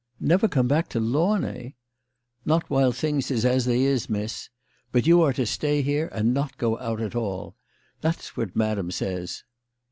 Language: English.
"Never come back to Launay ?" "Not while things is as they is, miss. But you are to stay here and not go out at all. That's what Madam says."